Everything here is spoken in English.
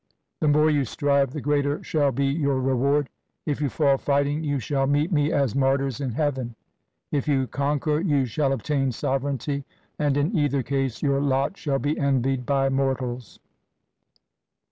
The more you strive, the greater shall be your reward. If you fall fighting you shall meet me as martyrs in heaven. If you conquer you shall obtain sovereignty, and in either case your lot shall be envied by mortals.'